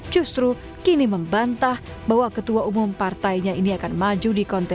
justru kini membantah bahwa ketua umum partainya ini akan maju di kontestasi